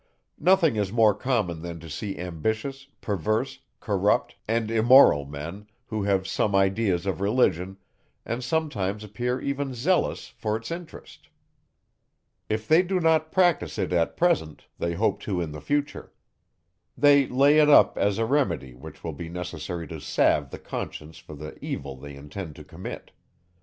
Nothing is more common, than to see ambitious, perverse, corrupt, and immoral men, who have some ideas of Religion, and sometimes appear even zealous for its interest. If they do not practise it at present, they hope to in the future. They lay it up, as a remedy, which will be necessary to salve the conscience for the evil they intend to commit.